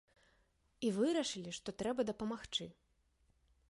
І вырашылі, што трэба дапамагчы.